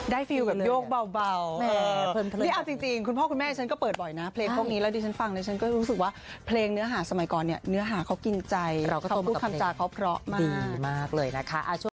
ได้ฟีลกับโยกเบาจริงคุณพ่อคุณแม่ฉันก็เปิดบ่อยนะเพลงพวกนี้แล้วดิฉันฟังแล้วฉันก็รู้สึกว่าเพลงเนื้อหาสมัยก่อนเนื้อหาเขากินใจเขาพูดคำจาเขาเพราะมาก